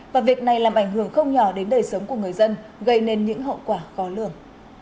và việc này làm ảnh hưởng không nhỏ đến đời sống của người dân gây nên những hậu quả khó lường